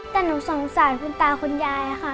แต่หนูสงสารคุณตาคุณยายค่ะ